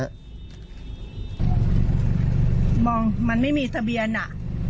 มองมันไม่มีทะเบียนอ่ะ